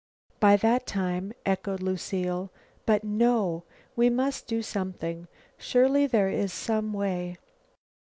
"By that time " echoed Lucile. "But no, we must do something. Surely, there is some way!"